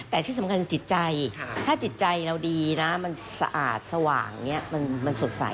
แต่ที่สำคัญคือจิตใจถ้าจิตใจเราดีนะมันสะอาดสว่างอย่างนี้มันสดใส